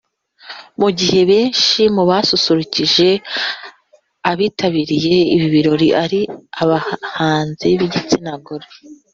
Mu gihe benshi mu basusurukije abitabiriye ibi birori ari abahanzi b’igitsina gore